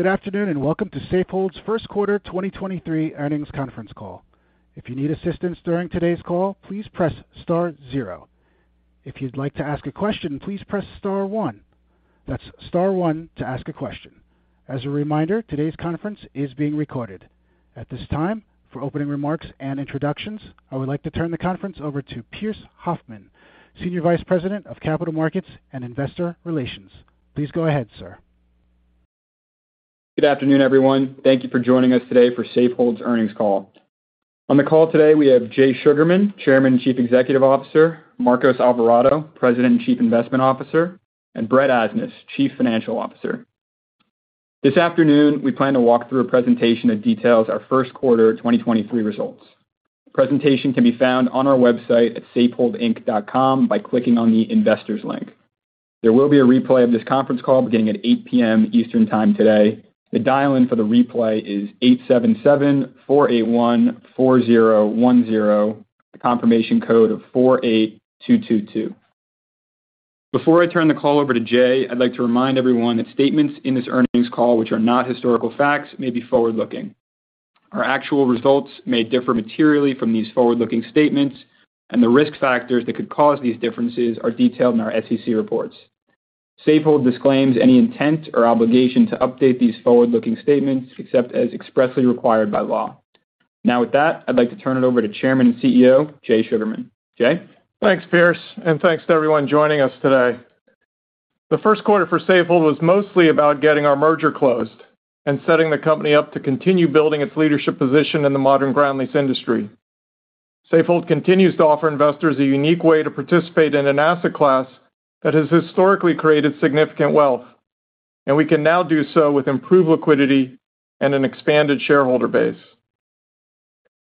Good afternoon, welcome to Safehold's 1st quarter 2023 earnings conference call. If you need assistance during today's call, please press star 0. If you'd like to ask a question, please press star 1. That's star 1 to ask a question. As a reminder, today's conference is being recorded. At this time, for opening remarks and introductions, I would like to turn the conference over to Pearse Hoffmann, Senior Vice President of Capital Markets and Investor Relations. Please go ahead, sir. Good afternoon, everyone. Thank you for joining us today for Safehold's earnings call. On the call today we have Jay Sugarman, Chairman and Chief Executive Officer, Marcos Alvarado, President and Chief Investment Officer, and Brett Asnas, Chief Financial Officer. This afternoon we plan to walk through a presentation that details our first quarter 2023 results. The presentation can be found on our website at safeholdinc.com by clicking on the investors link. There will be a replay of this conference call beginning at 8:00 P.M. Eastern time today. The dial-in for the replay is 877-481-4010, the confirmation code of 48222. Before I turn the call over to Jay, I'd like to remind everyone that statements in this earnings call which are not historical facts may be forward-looking. Our actual results may differ materially from these forward-looking statements and the risk factors that could cause these differences are detailed in our SEC reports. Safehold disclaims any intent or obligation to update these forward-looking statements except as expressly required by law. With that, I'd like to turn it over to Chairman and CEO, Jay Sugarman. Jay? Thanks, Pearse, and thanks to everyone joining us today. The first quarter for Safehold was mostly about getting our merger closed and setting the company up to continue building its leadership position in the modern ground lease industry. Safehold continues to offer investors a unique way to participate in an asset class that has historically created significant wealth, and we can now do so with improved liquidity and an expanded shareholder base.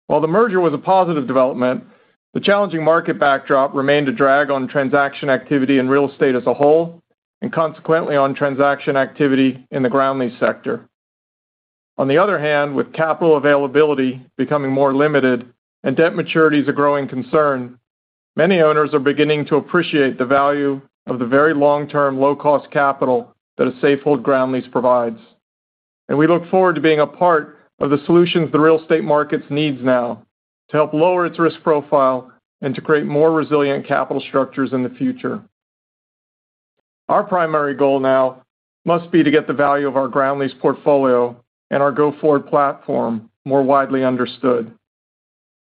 While the merger was a positive development, the challenging market backdrop remained a drag on transaction activity in real estate as a whole, and consequently on transaction activity in the ground lease sector. On the other hand, with capital availability becoming more limited and debt maturities a growing concern, many owners are beginning to appreciate the value of the very long-term, low-cost capital that a Safehold ground lease provides. We look forward to being a part of the solutions the real estate markets needs now to help lower its risk profile and to create more resilient capital structures in the future. Our primary goal now must be to get the value of our ground lease portfolio and our go-forward platform more widely understood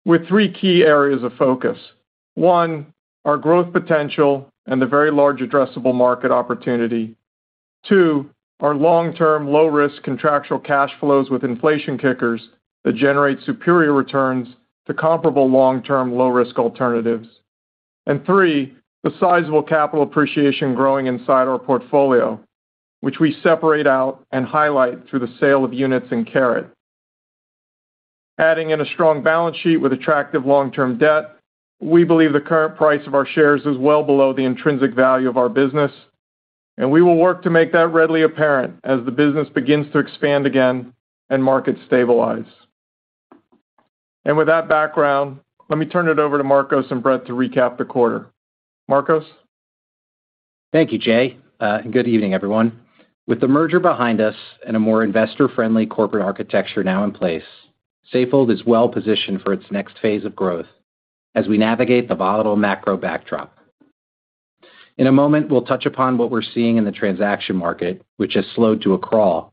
with three key areas of focus. One, our growth potential and the very large addressable market opportunity. Two, our long-term, low risk contractual cash flows with inflation kickers that generate superior returns to comparable long-term, low risk alternatives. Three, the sizable capital appreciation growing inside our portfolio, which we separate out and highlight through the sale of units in Caret. Adding in a strong balance sheet with attractive long-term debt, we believe the current price of our shares is well below the intrinsic value of our business, and we will work to make that readily apparent as the business begins to expand again and markets stabilize. With that background, let me turn it over to Marcos and Brett to recap the quarter. Marcos? Thank you, Jay. Good evening, everyone. With the merger behind us and a more investor-friendly corporate architecture now in place, Safehold is well positioned for its next phase of growth as we navigate the volatile macro backdrop. In a moment, we'll touch upon what we're seeing in the transaction market, which has slowed to a crawl.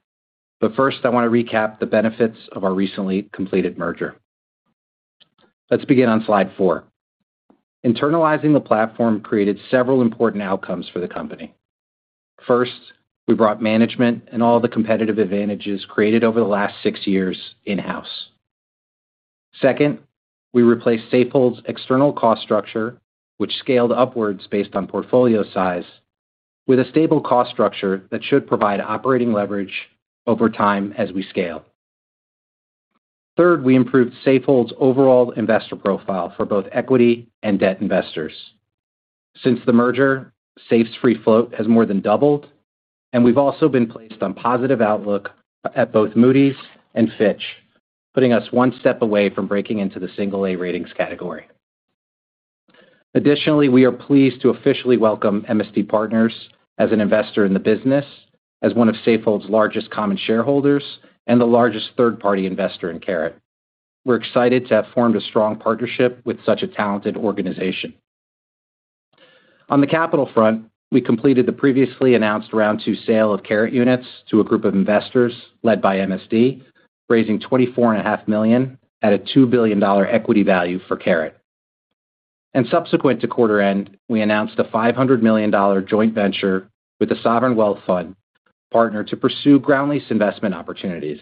First, I want to recap the benefits of our recently completed merger. Let's begin on slide 4. Internalizing the platform created several important outcomes for the company. First, we brought management and all the competitive advantages created over the last 6 years in-house. Second, we replaced Safehold's external cost structure, which scaled upwards based on portfolio size, with a stable cost structure that should provide operating leverage over time as we scale. Third, we improved Safehold's overall investor profile for both equity and debt investors. Since the merger, SAFE's free float has more than doubled. We've also been placed on positive outlook at both Moody's and Fitch, putting us one step away from breaking into the single A ratings category. Additionally, we are pleased to officially welcome MSD Partners as an investor in the business, as one of Safehold's largest common shareholders and the largest third-party investor in Caret. We're excited to have formed a strong partnership with such a talented organization. On the capital front, we completed the previously announced round 2 sale of Caret units to a group of investors led by MSD, raising $24 and a half million at a $2 billion equity value for Caret. Subsequent to quarter end, we announced a $500 million joint venture with a sovereign wealth fund partner to pursue ground lease investment opportunities.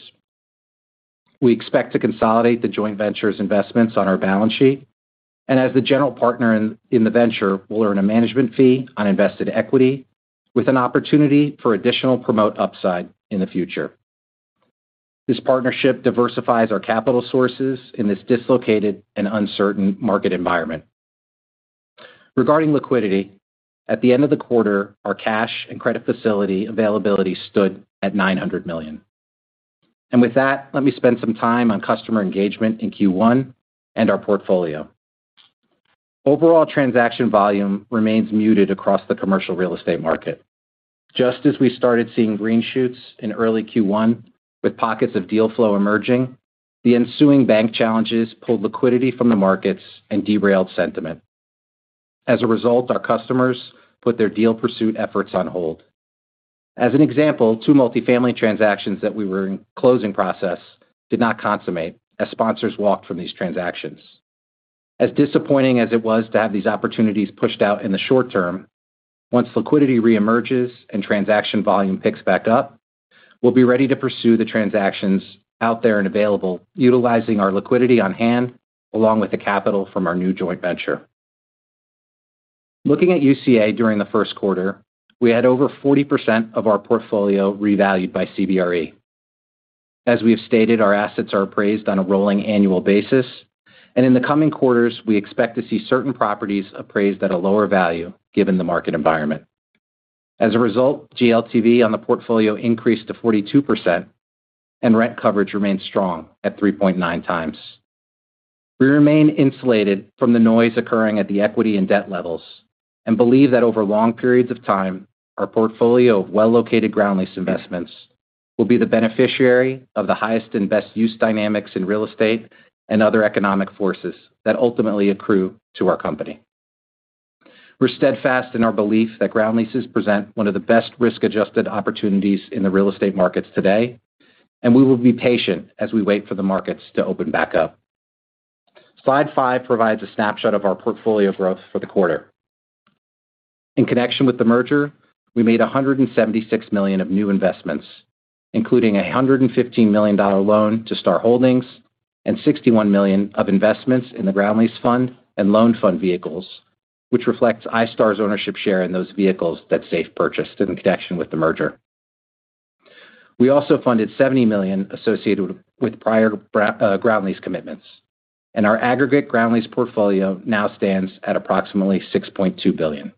We expect to consolidate the joint venture's investments on our balance sheet, as the general partner in the venture, we'll earn a management fee on invested equity with an opportunity for additional promote upside in the future. This partnership diversifies our capital sources in this dislocated and uncertain market environment. Regarding liquidity, at the end of the quarter, our cash and credit facility availability stood at $900 million. With that, let me spend some time on customer engagement in Q1 and our portfolio. Overall transaction volume remains muted across the commercial real estate market. Just as we started seeing green shoots in early Q1 with pockets of deal flow emerging, the ensuing bank challenges pulled liquidity from the markets and derailed sentiment. As a result, our customers put their deal pursuit efforts on hold. An example, two multifamily transactions that we were in closing process did not consummate as sponsors walked from these transactions. Disappointing as it was to have these opportunities pushed out in the short term, once liquidity reemerges and transaction volume picks back up, we'll be ready to pursue the transactions out there and available utilizing our liquidity on hand along with the capital from our new joint venture. Looking at UCA during the first quarter, we had over 40% of our portfolio revalued by CBRE. We have stated, our assets are appraised on a rolling annual basis, and in the coming quarters, we expect to see certain properties appraised at a lower value given the market environment. A result, GLTV on the portfolio increased to 42%, and rent coverage remains strong at 3.9x. We remain insulated from the noise occurring at the equity and debt levels and believe that over long periods of time, our portfolio of well-located ground lease investments will be the beneficiary of the highest and best use dynamics in real estate and other economic forces that ultimately accrue to our company. We're steadfast in our belief that ground leases present one of the best risk-adjusted opportunities in the real estate markets today. We will be patient as we wait for the markets to open back up. Slide 5 provides a snapshot of our portfolio growth for the quarter. In connection with the merger, we made $176 million of new investments, including a $115 million loan to Star Holdings and $61 million of investments in the ground lease fund and loan fund vehicles, which reflects iStar's ownership share in those vehicles that SAFE purchased in connection with the merger. We also funded $70 million associated with prior ground lease commitments. Our aggregate ground lease portfolio now stands at approximately $6.2 billion.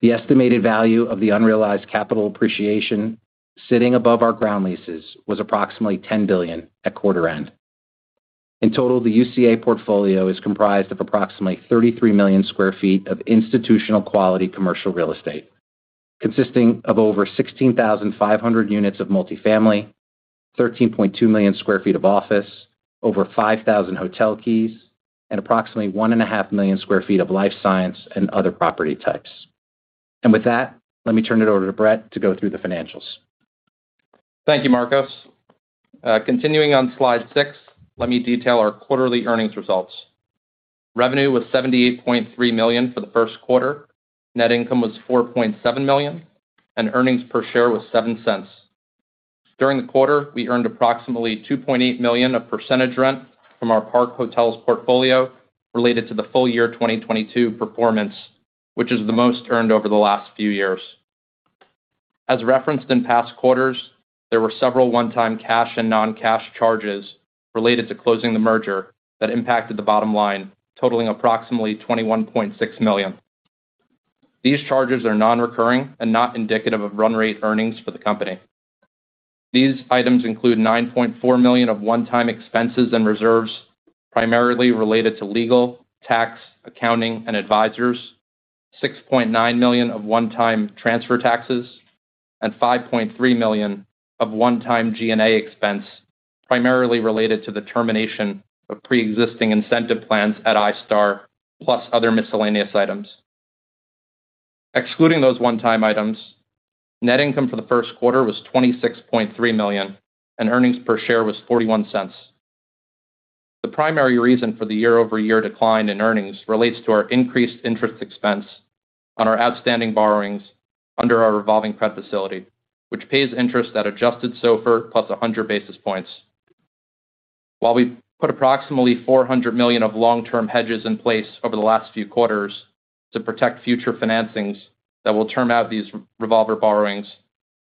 The estimated value of the unrealized capital appreciation sitting above our ground leases was approximately $10 billion at quarter end. In total, the UCA portfolio is comprised of approximately 33 million sq ft of institutional quality commercial real estate, consisting of over 16,500 units of multifamily, 13.2 million sq ft of office, over 5,000 hotel keys, and approximately one and a half million sq ft of life science and other property types. With that, let me turn it over to Brett to go through the financials. Thank you, Marcos. Continuing on slide 6, let me detail our quarterly earnings results. Revenue was $78.3 million for the first quarter. Net income was $4.7 million, and earnings per share was $0.07. During the quarter, we earned approximately $2.8 million of percentage rent from our Park Hotels portfolio related to the full year 2022 performance, which is the most earned over the last few years. As referenced in past quarters, there were several one-time cash and non-cash charges related to closing the merger that impacted the bottom line, totaling approximately $21.6 million. These charges are non-recurring and not indicative of run rate earnings for the company. These items include $9.4 million of one-time expenses and reserves primarily related to legal, tax, accounting, and advisors, $6.9 million of one-time transfer taxes, and $5.3 million of one-time G&A expense primarily related to the termination of pre-existing incentive plans at iStar, plus other miscellaneous items. Excluding those one-time items, net income for the first quarter was $26.3 million, and earnings per share was $0.41. The primary reason for the year-over-year decline in earnings relates to our increased interest expense on our outstanding borrowings under our revolving prep facility, which pays interest at adjusted SOFR plus 100 basis points. While we put approximately $400 million of long-term hedges in place over the last few quarters to protect future financings that will term out these revolver borrowings,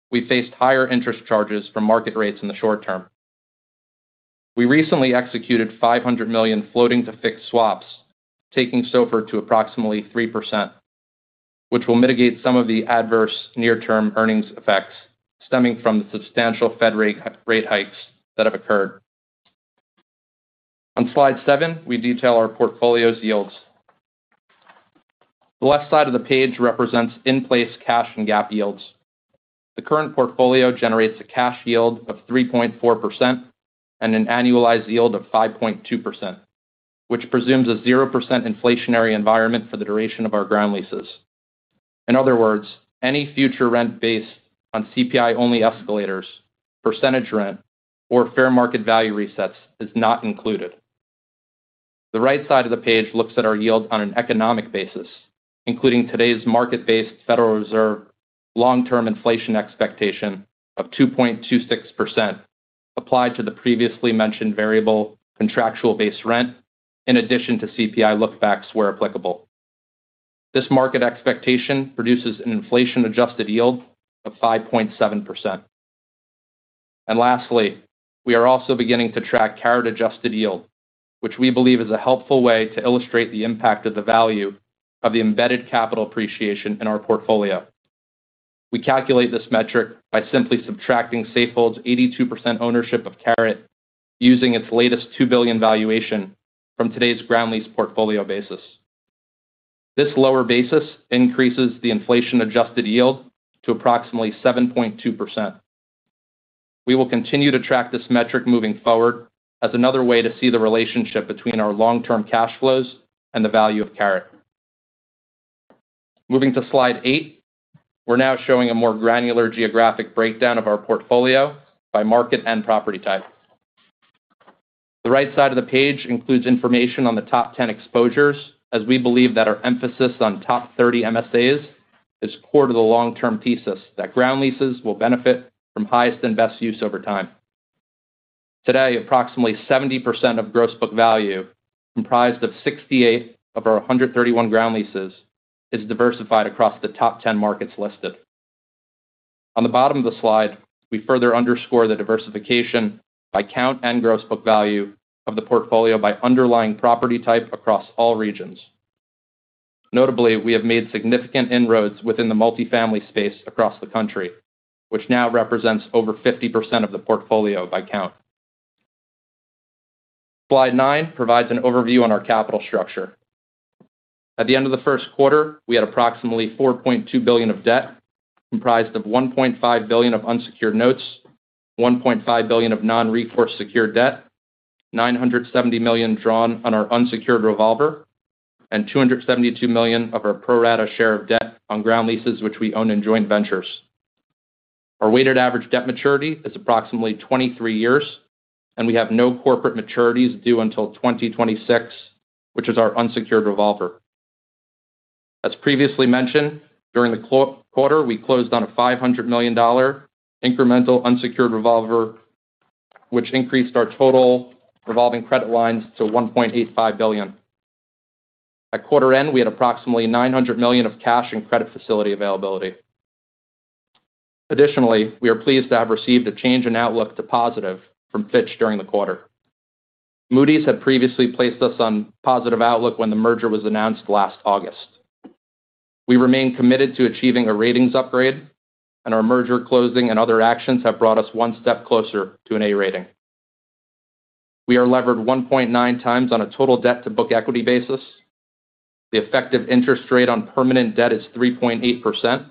we faced higher interest charges from market rates in the short term. We recently executed $500 million floating to fixed swaps, taking SOFR to approximately 3%, which will mitigate some of the adverse near-term earnings effects stemming from the substantial Fed rate hikes that have occurred. On slide 7, we detail our portfolio's yields. The left side of the page represents in-place cash and gap yields. The current portfolio generates a cash yield of 3.4% and an annualized yield of 5.2%, which presumes a 0% inflationary environment for the duration of our ground leases. In other words, any future rent based on CPI-only escalators, percentage rent, or fair market value resets is not included. The right side of the page looks at our yield on an economic basis, including today's market-based Federal Reserve long-term inflation expectation of 2.26% applied to the previously mentioned variable contractual base rent in addition to CPI look backs where applicable. This market expectation produces an inflation-adjusted yield of 5.7%. Lastly, we are also beginning to track Caret-adjusted yield, which we believe is a helpful way to illustrate the impact of the value of the embedded capital appreciation in our portfolio. We calculate this metric by simply subtracting Safehold's 82% ownership of Caret, using its latest $2 billion valuation from today's ground lease portfolio basis. This lower basis increases the inflation-adjusted yield to approximately 7.2%. We will continue to track this metric moving forward as another way to see the relationship between our long-term cash flows and the value of Caret. Moving to slide 8. We're now showing a more granular geographic breakdown of our portfolio by market and property type. The right side of the page includes information on the top 10 exposures, as we believe that our emphasis on top 30 MSAs is core to the long-term thesis that ground leases will benefit from highest and best use over time. Today, approximately 70% of gross book value, comprised of 68 of our 131 ground leases, is diversified across the top 10 markets listed. On the bottom of the slide, we further underscore the diversification by count and gross book value of the portfolio by underlying property type across all regions. Notably, we have made significant inroads within the multifamily space across the country, which now represents over 50% of the portfolio by count. Slide 9 provides an overview on our capital structure. At the end of the first quarter, we had approximately $4.2 billion of debt, comprised of $1.5 billion of unsecured notes, $1.5 billion of non-recourse secured debt, $970 million drawn on our unsecured revolver, and $272 million of our pro-rata share of debt on ground leases, which we own in joint ventures. Our weighted average debt maturity is approximately 23 years, and we have no corporate maturities due until 2026, which is our unsecured revolver. As previously mentioned, during the quarter, we closed on a $500 million incremental unsecured revolver, which increased our total revolving credit lines to $1.85 billion. At quarter end, we had approximately $900 million of cash and credit facility availability. We are pleased to have received a change in outlook to positive from Fitch during the quarter. Moody's had previously placed us on positive outlook when the merger was announced last August. We remain committed to achieving a ratings upgrade, our merger closing and other actions have brought us one step closer to an A rating. We are levered 1.9 times on a total debt to book equity basis. The effective interest rate on permanent debt is 3.8%,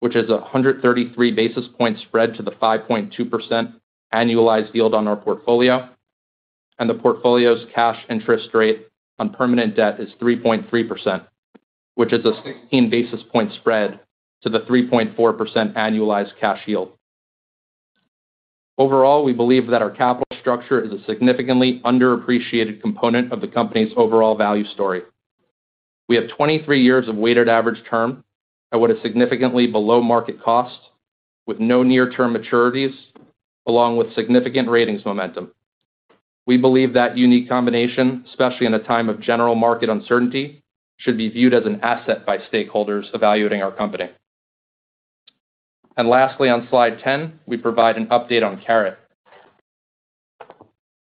which is 133 basis points spread to the 5.2% annualized yield on our portfolio. The portfolio's cash interest rate on permanent debt is 3.3%, which is a 16 basis point spread to the 3.4% annualized cash yield. Overall, we believe that our capital structure is a significantly underappreciated component of the company's overall value story. We have 23 years of weighted average term at what is significantly below market cost with no near-term maturities, along with significant ratings momentum. We believe that unique combination, especially in a time of general market uncertainty, should be viewed as an asset by stakeholders evaluating our company. Lastly, on slide 10, we provide an update on Caret.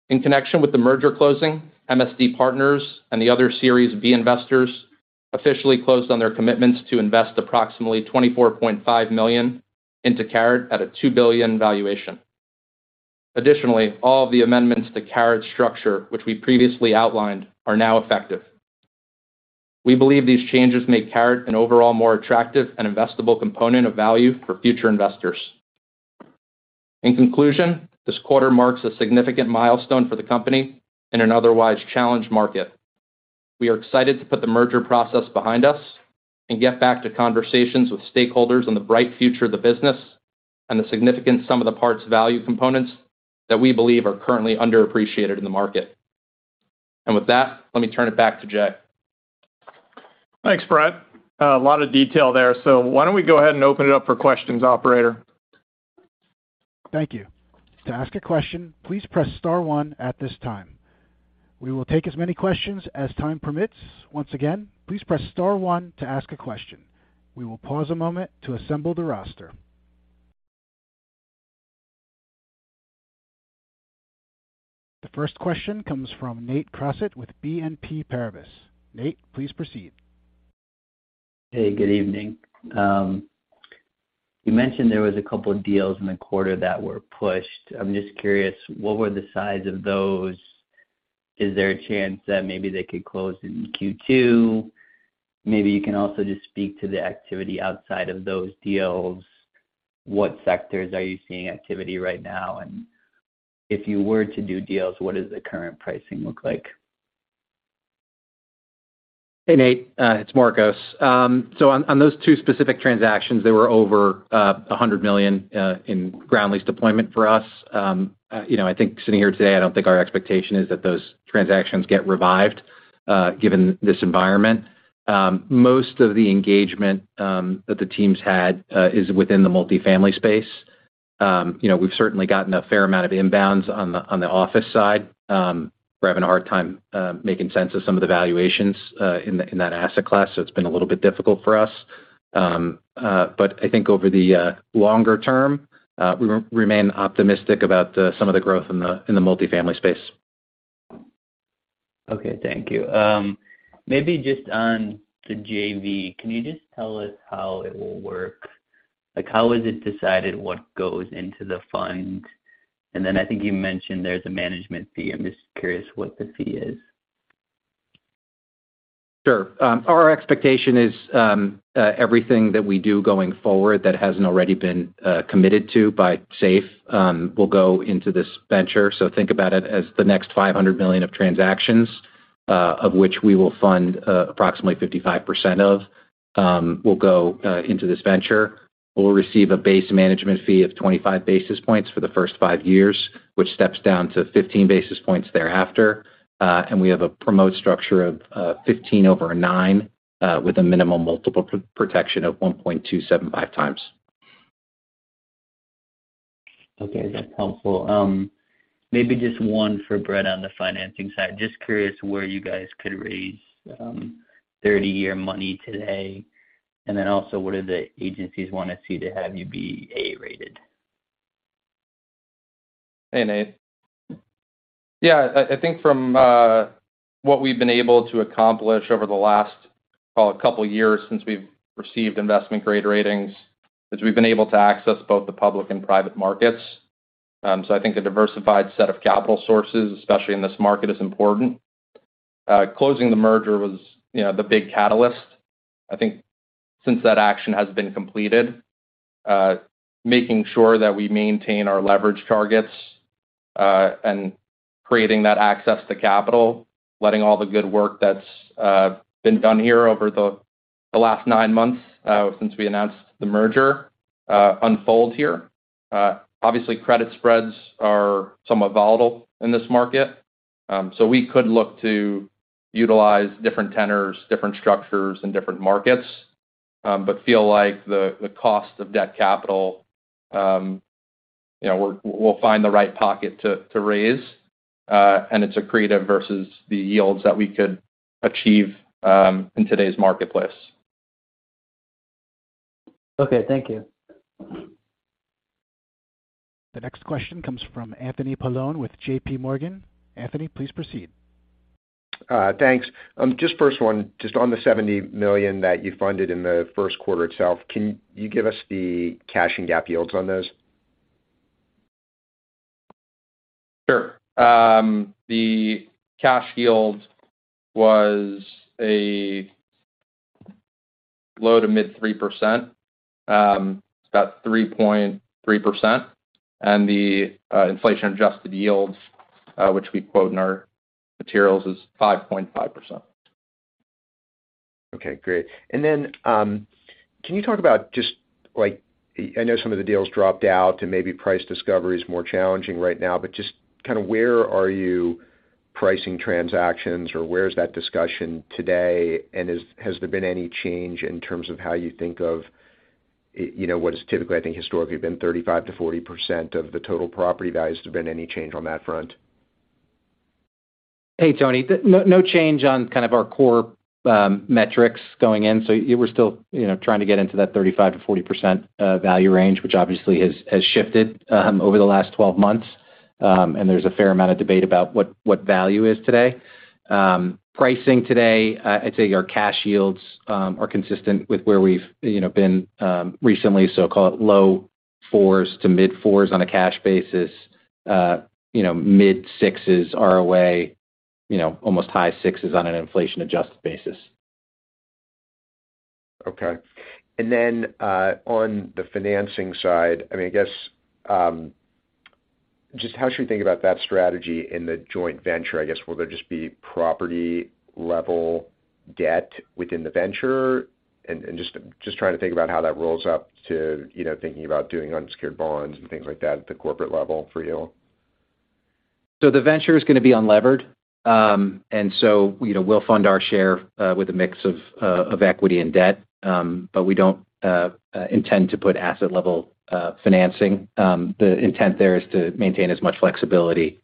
In connection with the merger closing, MSD Partners and the other Series B investors officially closed on their commitments to invest approximately $24.5 million into Caret at a $2 billion valuation. Additionally, all of the amendments to Caret's structure, which we previously outlined, are now effective. We believe these changes make Caret an overall more attractive and investable component of value for future investors. In conclusion, this quarter marks a significant milestone for the company in an otherwise challenged market. We are excited to put the merger process behind us and get back to conversations with stakeholders on the bright future of the business and the significant sum of the parts value components that we believe are currently underappreciated in the market. And with that, let me turn it back to Jay. Thanks, Brett. A lot of detail there. Why don't we go ahead and open it up for questions, operator? Thank you. To ask a question, please press star one at this time. We will take as many questions as time permits. Once again, please press star one to ask a question. We will pause a moment to assemble the roster. The first question comes from Nate Crossett with BNP Paribas. Nate, please proceed. Hey, good evening. You mentioned there was a couple of deals in the quarter that were pushed. I'm just curious, what were the size of those? Is there a chance that maybe they could close in Q2? Maybe you can also just speak to the activity outside of those deals. What sectors are you seeing activity right now? If you were to do deals, what does the current pricing look like? Hey, Nate, it's Marcos. On those two specific transactions, they were over $100 million in ground lease deployment for us. You know, I think sitting here today, I don't think our expectation is that those transactions get revived given this environment. Most of the engagement that the team's had is within the multifamily space. You know, we've certainly gotten a fair amount of inbounds on the office side. We're having a hard time making sense of some of the valuations in that asset class, so it's been a little bit difficult for us. I think over the longer term, we remain optimistic about the some of the growth in the multifamily space. Okay. Thank you. Maybe just on the JV, can you just tell us how it will work? Like, how is it decided what goes into the fund? Then I think you mentioned there's a management fee. I'm just curious what the fee is. Sure. Our expectation is everything that we do going forward that hasn't already been committed to by SAFE will go into this venture. Think about it as the next $500 million of transactions, of which we will fund approximately 55% of, will go into this venture. We'll receive a base management fee of 25 basis points for the first five years, which steps down to 15 basis points thereafter. We have a promote structure of 15 over 9 with a minimum multiple pro-protection of 1.275x. Okay. That's helpful. Maybe just one for Brett on the financing side. Just curious where you guys could raise, 30-year money today? What do the agencies want to see to have you be A-rated? Hey, Nate. Yeah, I think from what we've been able to accomplish over the last, call it couple years since we've received investment grade ratings, is we've been able to access both the public and private markets. I think a diversified set of capital sources, especially in this market, is important. Closing the merger was, you know, the big catalyst. I think since that action has been completed, making sure that we maintain our leverage targets, and creating that access to capital, letting all the good work that's been done here over the last 9 months, since we announced the merger, unfold here. Credit spreads are somewhat volatile in this market. We could look to utilize different tenors, different structures in different markets, but feel like the cost of debt capital, you know, we'll find the right pocket to raise, and it's accretive versus the yields that we could achieve, in today's marketplace. Okay. Thank you. The next question comes from Anthony Paolone with JP Morgan. Anthony, please proceed. Thanks. Just first one, just on the $70 million that you funded in the first quarter itself, can you give us the cash and GAAP yields on those? Sure. The cash yield was a low to mid 3%, about 3.3%. The inflation-adjusted yields, which we quote in our materials, is 5.5%. Okay. Great. Can you talk about just like, I know some of the deals dropped out, and maybe price discovery is more challenging right now, but just kinda where are you pricing transactions, or where is that discussion today? Has there been any change in terms of how you think of, you know, what is typically, I think, historically been 35%-40% of the total property values? There been any change on that front? Hey, Tony. No, no change on kind of our core metrics going in. We're still, you know, trying to get into that 35%-40% value range, which obviously has shifted over the last 12 months. There's a fair amount of debate about what value is today. Pricing today, I'd say our cash yields are consistent with where we've, you know, been recently, so call it low 4s to mid 4s on a cash basis. You know, mid 6s ROA, you know, almost high 6s on an inflation-adjusted basis. Okay. On the financing side, I mean, I guess, just how should we think about that strategy in the joint venture? Just trying to think about how that rolls up to, you know, thinking about doing unsecured bonds and things like that at the corporate level for yield. The venture is going to be unlevered. You know, we'll fund our share with a mix of equity and debt. We don't intend to put asset level financing. The intent there is to maintain as much flexibility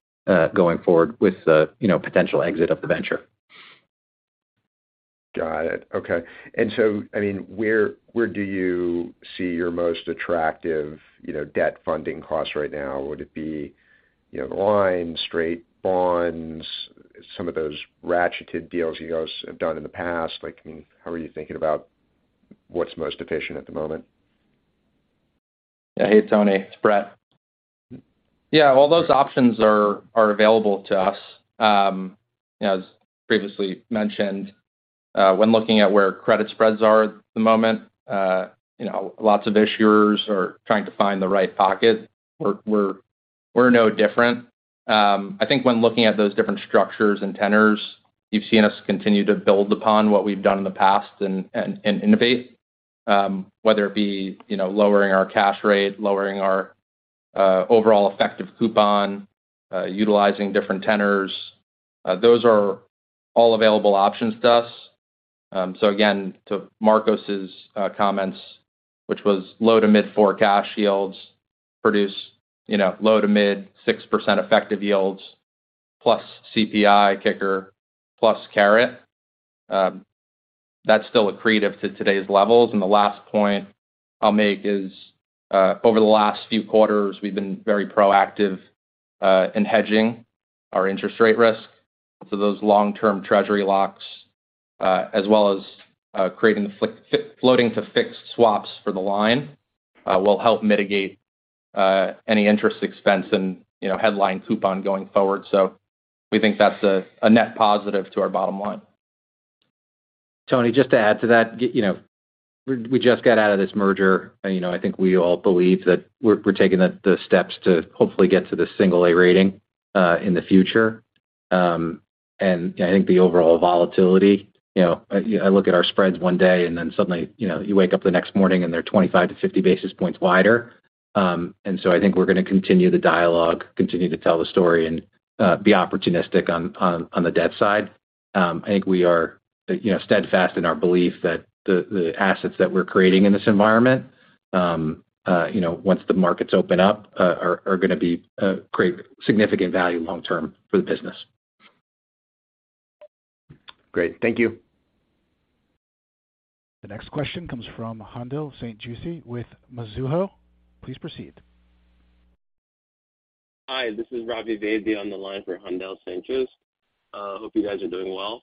going forward with the, you know, potential exit of the venture. Got it. Okay. I mean, where do you see your most attractive, you know, debt funding costs right now? Would it be, you know, the line, straight bonds, some of those ratcheted deals you guys have done in the past? Like, I mean, how are you thinking about what's most efficient at the moment? Hey, Tony, it's Brett. Well, those options are available to us. As previously mentioned, when looking at where credit spreads are at the moment, you know, lots of issuers are trying to find the right pocket. We're no different. I think when looking at those different structures and tenors, you've seen us continue to build upon what we've done in the past and innovate, whether it be, you know, lowering our cash rate, lowering our overall effective coupon, utilizing different tenors. Those are all available options to us. Again, to Marcos' comments, which was low to mid 4 cash yields produce, you know, low to mid 6% effective yields plus CPI kicker, plus Caret. That's still accretive to today's levels. The last point I'll make is, over the last few quarters, we've been very proactive in hedging our interest rate risk. Those long-term treasury locks, as well as creating the floating to fixed swaps for the line, will help mitigate any interest expense and, you know, headline coupon going forward. We think that's a net positive to our bottom line. Tony, just to add to that. You know, we just got out of this merger, and, you know, I think we all believe that we're taking the steps to hopefully get to this single A rating in the future. I think the overall volatility, you know, I look at our spreads one day, then suddenly, you know, you wake up the next morning, and they're 25 to 50 basis points wider. I think we're going to continue the dialogue, continue to tell the story and be opportunistic on the debt side. I think we are, you know, steadfast in our belief that the assets that we're creating in this environment, you know, once the markets open up, are going to be create significant value long term for the business. Great. Thank you. The next question comes from Haendel St. Juste with Mizuho. Please proceed. Hi, this is Ravi Vaidya on the line for Haendel St. Juste. Hope you guys are doing well.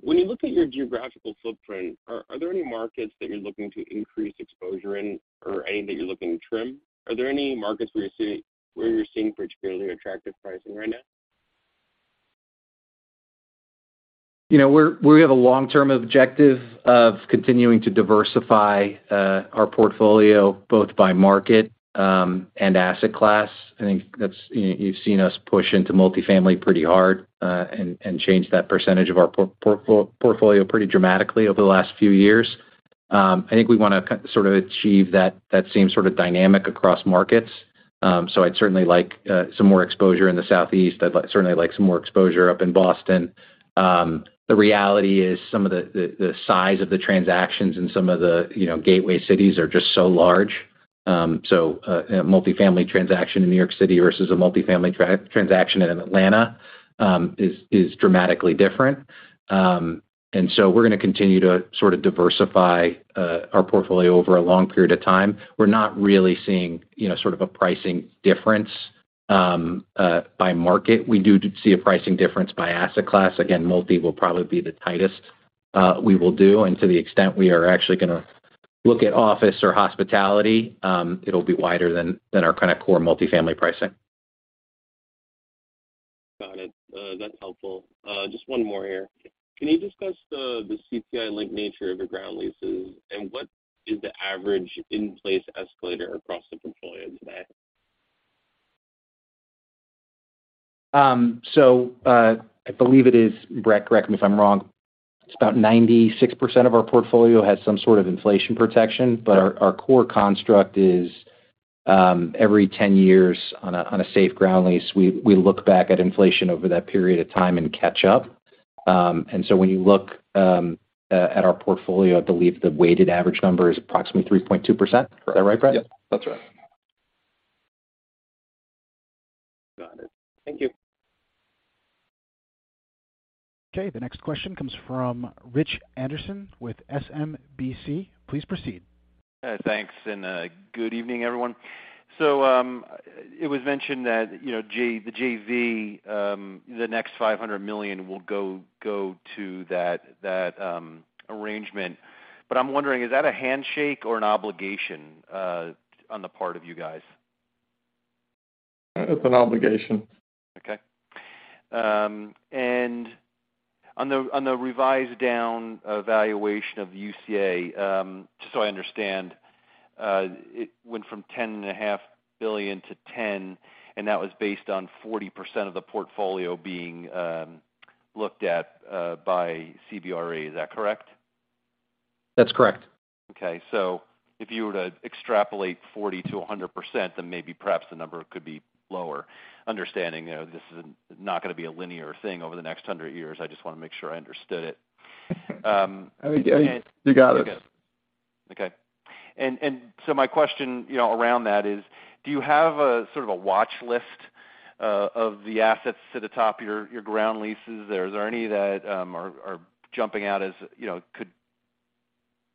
When you look at your geographical footprint, are there any markets that you're looking to increase exposure in or any that you're looking to trim? Are there any markets where you're seeing particularly attractive pricing right now? You know, we have a long-term objective of continuing to diversify our portfolio both by market and asset class. I think that's you've seen us push into multifamily pretty hard and change that percentage of our portfolio pretty dramatically over the last few years. I think we want to sort of achieve that same sort of dynamic across markets. So I'd certainly like some more exposure in the southeast. I'd certainly like some more exposure up in Boston. The reality is some of the size of the transactions in some of the, you know, gateway cities are just so large. So a multifamily transaction in New York City versus a multifamily transaction in Atlanta is dramatically different. We're going to continue to sort of diversify our portfolio over a long period of time. We're not really seeing, you know, sort of a pricing difference by market. We do see a pricing difference by asset class. Again, multi will probably be the tightest we will do. To the extent we are actually going to look at office or hospitality, it'll be wider than our kind of core multifamily pricing. Got it. That's helpful. Just one more here. Can you discuss the CPI-linked nature of your ground leases, and what is the average in-place escalator across the portfolio today? I believe it is, Brett, correct me if I'm wrong, it's about 96% of our portfolio has some sort of inflation protection. Our core construct is, every 10 years on a Safehold ground lease, we look back at inflation over that period of time and catch up. When you look at our portfolio, I believe the weighted average number is approximately 3.2%. Is that right, Brett? Yep, that's right. Got it. Thank you. Okay. The next question comes from Rich Anderson with SMBC. Please proceed. Thanks and good evening, everyone. It was mentioned that, you know, the JV, the next $500 million will go to that arrangement. I'm wondering, is that a handshake or an obligation on the part of you guys? It's an obligation. Okay. On the, on the revised down valuation of the UCA, just so I understand, it went from $10.5 billion to $10 billion, and that was based on 40% of the portfolio being looked at by CBRE. Is that correct? That's correct. If you were to extrapolate 40% to 100%, then maybe perhaps the number could be lower. Understanding, you know, this is not going to be a linear thing over the next 100 years. I just want to make sure I understood it. You got it. Okay. My question, you know, around that is, do you have a sort of a watch list of the assets to the top of your ground leases? Is there any that are jumping out as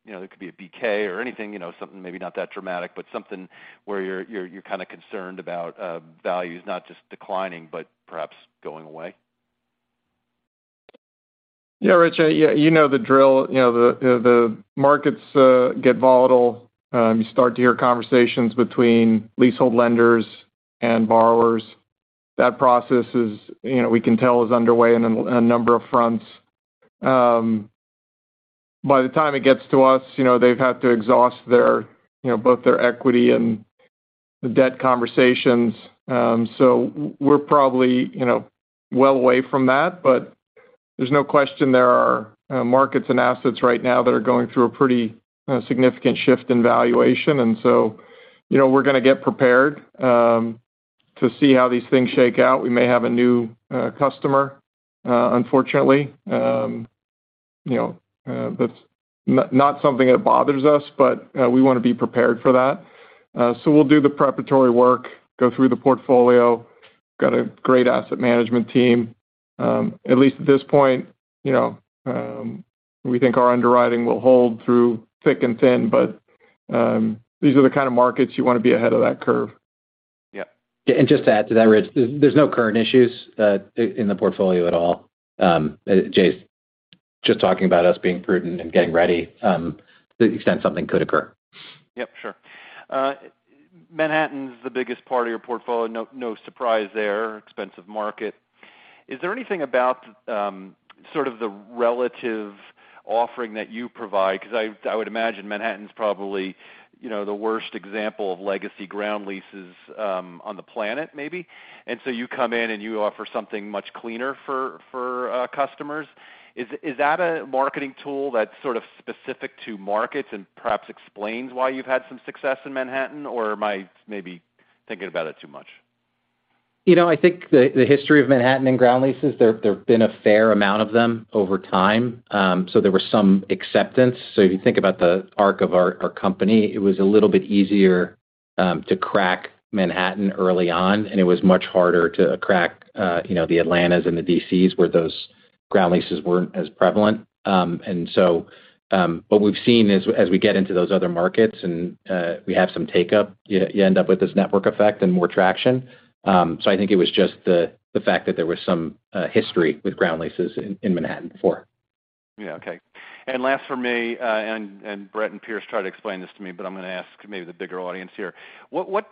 it could be a BK or anything, you know, something maybe not that dramatic, but something where you're kind of concerned about values not just declining, but perhaps going away. Yeah. Rich, yeah, you know the drill. You know, the markets get volatile. You start to hear conversations between leasehold lenders and borrowers. That process is, you know, we can tell is underway in a number of fronts. We're probably, you know, well away from that, but there's no question there are markets and assets right now that are going through a pretty significant shift in valuation. You know, we're going to get prepared to see how these things shake out. We may have a new customer unfortunately. You know, that's not something that bothers us, but we want to be prepared for that. We'll do the preparatory work, go through the portfolio. Got a great asset management team. At least at this point, you know, we think our underwriting will hold through thick and thin. These are the kind of markets you want to be ahead of that curve. Yeah. Just to add to that, Rich, there's no current issues in the portfolio at all. Jamie's just talking about us being prudent and getting ready to the extent something could occur. Yep, sure. Manhattan's the biggest part of your portfolio. No, no surprise there. Expensive market. Is there anything about sort of the relative offering that you provide? 'Cause I would imagine Manhattan's probably, you know, the worst example of legacy ground leases on the planet, maybe. You come in, and you offer something much cleaner for customers. Is that a marketing tool that's sort of specific to markets and perhaps explains why you've had some success in Manhattan? Or am I maybe thinking about it too much? You know, I think the history of Manhattan and ground leases, there've been a fair amount of them over time. There was some acceptance. If you think about the arc of our company, it was a little bit easier to crack Manhattan early on, and it was much harder to crack, you know, the Atlantas and the D.C.s where those ground leases weren't as prevalent. What we've seen as we get into those other markets and we have some take-up, you end up with this network effect and more traction. I think it was just the fact that there was some history with ground leases in Manhattan before. Yeah. Okay. Last for me, Brett and Pearse tried to explain this to me, I'm going to ask maybe the bigger audience here. What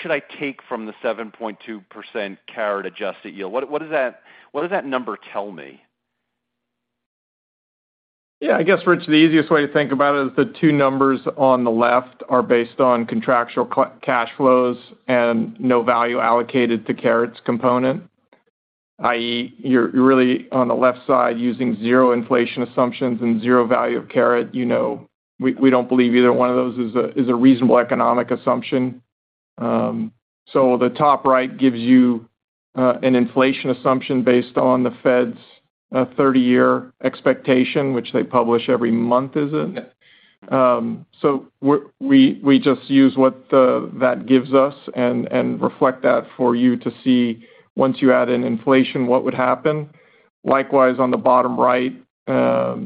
should I take from the 7.2% Caret-adjusted yield? What does that number tell me? Yeah. I guess, Rich, the easiest way to think about it is the 2 numbers on the left are based on contractual cash flows and no value allocated to Caret's component. i.e., you're really on the left side using 0 inflation assumptions and 0 value of Caret. You know, we don't believe either one of those is a reasonable economic assumption. The top right gives you an inflation assumption based on the Fed's 30-year expectation, which they publish every month, is it? Yeah. We just use what that gives us and reflect that for you to see once you add in inflation, what would happen. Likewise, on the bottom right, the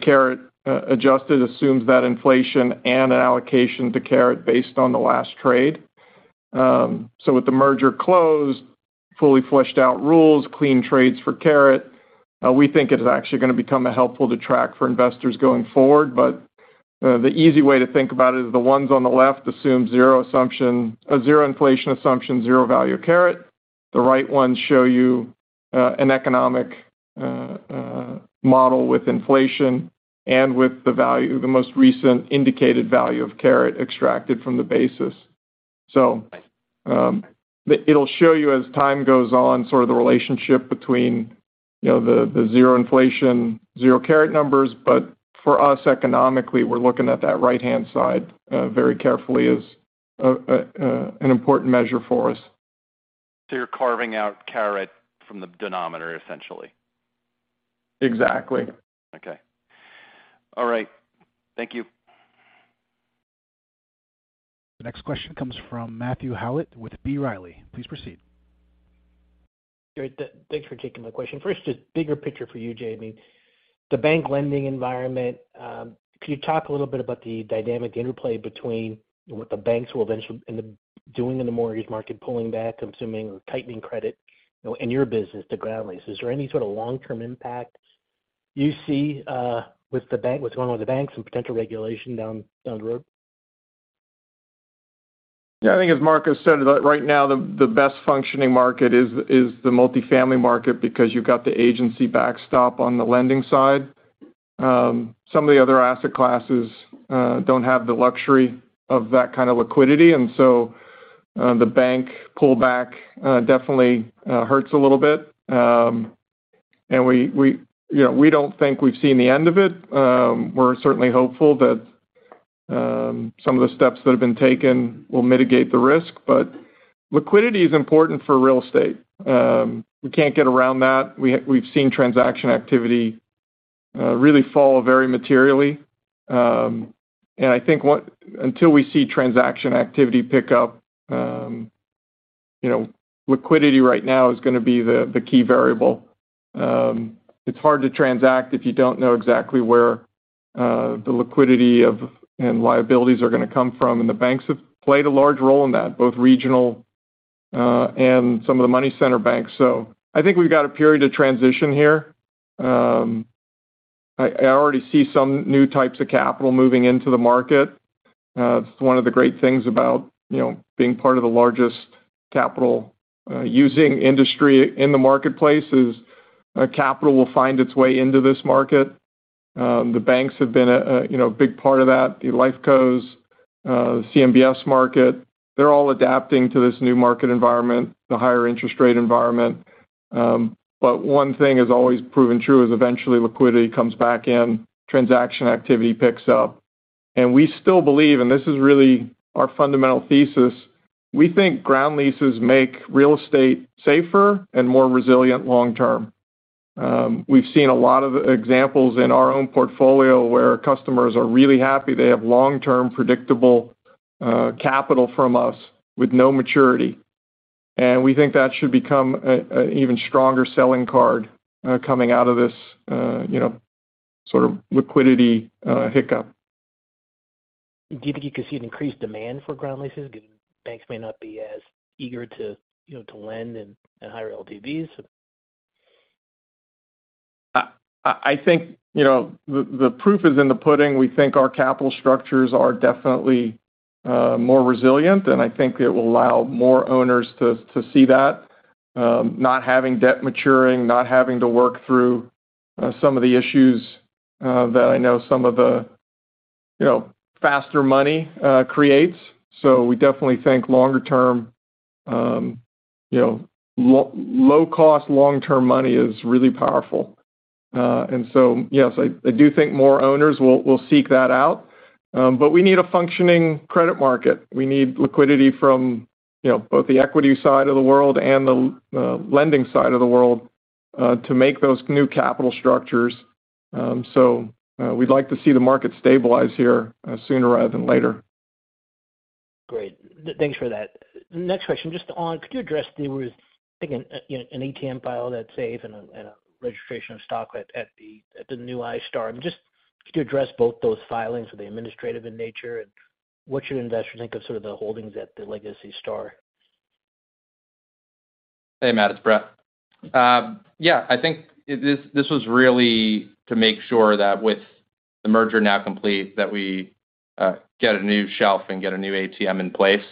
Caret a-adjusted assumes that inflation and an allocation to Caret based on the last trade. With the merger closed, fully fleshed out rules, clean trades for Caret, we think it is actually going to become helpful to track for investors going forward. The easy way to think about it is the ones on the left assume zero inflation assumption, zero value of Caret. The right ones show you an economic model with inflation and with the value, the most recent indicated value of Caret extracted from the basis. It'll show you as time goes on, sort of the relationship between, you know, the zero inflation, zero Caret numbers. For us, economically, we're looking at that right-hand side, very carefully as, an important measure for us. You're carving out Caret from the denominator, essentially. Exactly. Okay. All right. Thank you. The next question comes from Matthew Howlett with B. Riley. Please proceed. Great. Thanks for taking my question. First, just bigger picture for you, Jamie. The bank lending environment, could you talk a little bit about the dynamic interplay between what the banks will eventually end up doing in the mortgage market, pulling back, I'm assuming, or tightening credit, you know, in your business to ground lease? Is there any sort of long-term impacts you see with the bank, what's going on with the banks and potential regulation down the road? Yeah. I think as Mark has said, right now, the best functioning market is the multifamily market because you've got the agency backstop on the lending side. Some of the other asset classes don't have the luxury of that kind of liquidity. The bank pullback definitely hurts a little bit. We, you know, we don't think we've seen the end of it. We're certainly hopeful that some of the steps that have been taken will mitigate the risk. Liquidity is important for real estate. We can't get around that. We've seen transaction activity really fall very materially. I think until we see transaction activity pick up, you know, liquidity right now is going to be the key variable. It's hard to transact if you don't know exactly where and liabilities are going to come from. The banks have played a large role in that, both regional and some of the money center banks. I think we've got a period of transition here. I already see some new types of capital moving into the market. It's one of the great things about, you know, being part of the largest capital using industry in the marketplace is capital will find its way into this market. The banks have been a, you know, big part of that. The Life Cos, CMBS market, they're all adapting to this new market environment, the higher interest rate environment. One thing has always proven true is eventually liquidity comes back in, transaction activity picks up. We still believe, and this is really our fundamental thesis, we think ground leases make real estate safer and more resilient long term. We've seen a lot of examples in our own portfolio where customers are really happy. They have long-term predictable capital from us with no maturity, and we think that should become a even stronger selling card coming out of this, you know, sort of liquidity hiccup. Do you think you could see an increased demand for ground leases? Banks may not be as eager to, you know, to lend and higher LTVs. I think, you know, the proof is in the pudding. We think our capital structures are definitely more resilient, and I think it will allow more owners to see that, not having debt maturing, not having to work through some of the issues that I know some of the, you know, faster money creates. We definitely think longer term, you know, low cost, long-term money is really powerful. Yes, I do think more owners will seek that out. We need a functioning credit market. We need liquidity from, you know, both the equity side of the world and the lending side of the world to make those new capital structures. We'd like to see the market stabilize here sooner rather than later. Great. Thanks for that. Next question, just on could you address there was, I think, an, you know, an ATM file that's SAFE and a registration of stock at the new iStar? Just could you address both those filings? Are they administrative in nature? What should investors think of sort of the holdings at the legacy iStar? Hey, Matt, it's Brett. Yeah, I think this was really to make sure that with the merger now complete, that we get a new shelf and get a new ATM in place.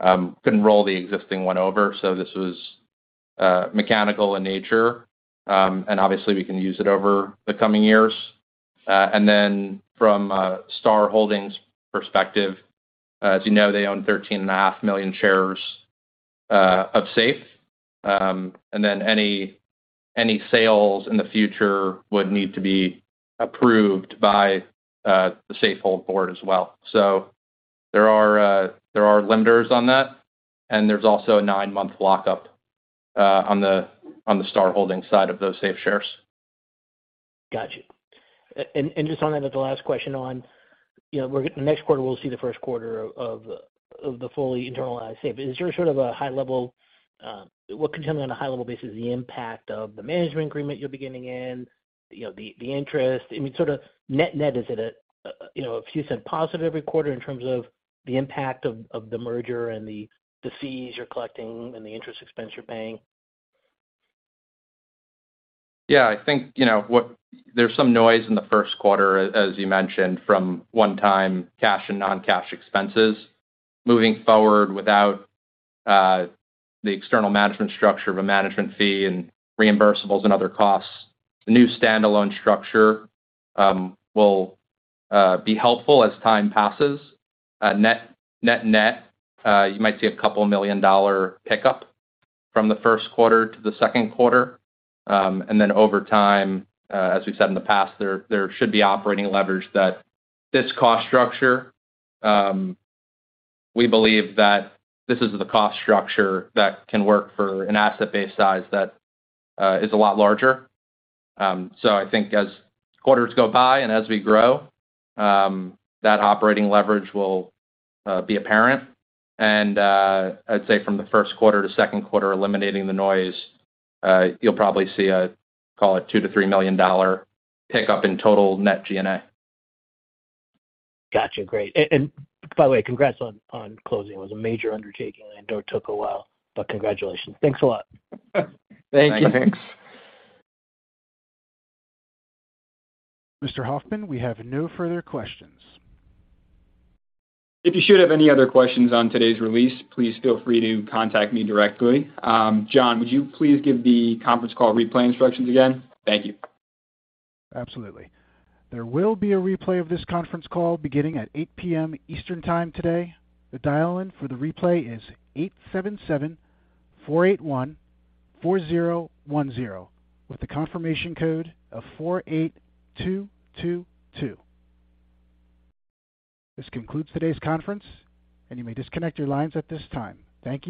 Couldn't roll the existing one over, this was mechanical in nature. Obviously, we can use it over the coming years. From Star Holdings perspective, as you know, they own thirteen and a half million shares of SAFE. Any sales in the future would need to be approved by the Safehold Board as well. There are lenders on that, and there's also a nine-month lockup on the Star Holdings side of those SAFE shares. Got you. Just on that, the last question on, you know, next quarter, we'll see the first quarter of the fully internalized SAFE. Is there sort of a high level, what can you tell me on a high level basis the impact of the management agreement you're beginning in, you know, the interest, I mean, sort of net-net, is it a, you know, a few cent positive every quarter in terms of the impact of the merger and the fees you're collecting and the interest expense you're paying? I think, you know, there's some noise in the first quarter, as you mentioned, from one-time cash and non-cash expenses. Moving forward without the external management structure of a management fee and reimbursables and other costs. The new standalone structure will be helpful as time passes. Net-net, you might see a $2 million pickup from the first quarter to the second quarter. Then over time, as we've said in the past, there should be operating leverage that this cost structure, we believe that this is the cost structure that can work for an asset-based size that is a lot larger. I think as quarters go by and as we grow, that operating leverage will be apparent. I'd say from the first quarter to second quarter, eliminating the noise, you'll probably see a, call it $2 million-$3 million pickup in total net G&A. Gotcha. Great. By the way, congrats on closing. It was a major undertaking, I know it took a while, but congratulations. Thanks a lot. Thank you. Thank you. Thanks. Mr. Hoffmann, we have no further questions. If you should have any other questions on today's release, please feel free to contact me directly. John, would you please give the conference call replay instructions again? Thank you. Absolutely. There will be a replay of this conference call beginning at 8:00 P.M. Eastern Time today. The dial-in for the replay is 877-481-4010, with the confirmation code of 48222. This concludes today's conference. You may disconnect your lines at this time. Thank you.